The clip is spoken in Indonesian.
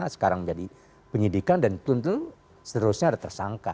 sekarang menjadi penyidikan dan tentu seterusnya ada tersangka